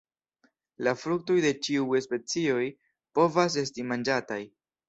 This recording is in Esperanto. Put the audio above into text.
La fruktoj de ĉiuj specioj povas esti manĝataj.